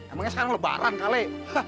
emangnya sekarang lebaran kali